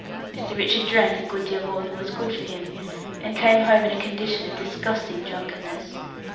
Mr. Richard drank a good deal more than was good for him, and returned home in a condition of disgusting drunkenness.